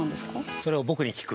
◆それを僕に聞く？